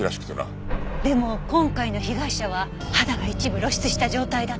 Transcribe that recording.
でも今回の被害者は肌が一部露出した状態だった。